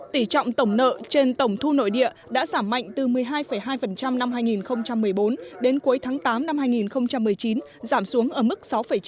tỷ trọng tổng nợ trên tổng thu nội địa đã giảm mạnh từ một mươi hai hai năm hai nghìn một mươi bốn đến cuối tháng tám năm hai nghìn một mươi chín giảm xuống ở mức sáu chín